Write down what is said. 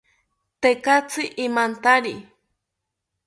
Tekatzi imantari